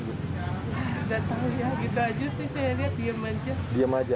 gak tahu ya gitu aja sih saya lihat diem aja